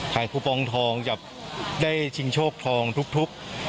คูปองทองจะได้ชิงโชคทองทุก